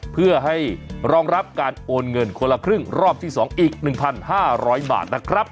เพื่อให้รองรับการโอนเงินคนละครึ่งรอบที่๒อีก๑๕๐๐บาทนะครับ